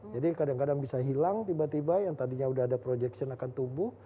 jadi kadang kadang bisa hilang tiba tiba yang tadinya udah ada projection akan tubuh